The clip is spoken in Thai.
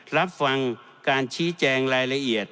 รับฟังการชี้แจงรายละเอียด